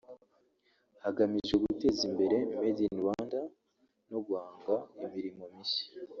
hagamijwe guteza imbere Made in Rwanda no guhanga imirimo mishya